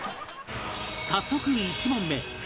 早速１問目